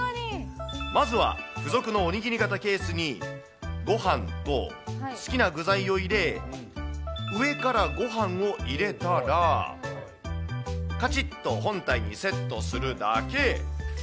まずは、付属のおにぎり型ケースに、ごはんと好きな具材を入れ、上からごはんを入れたら、かちっと本体にセットするだけ。